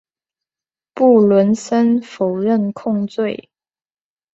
布伦森否认控罪。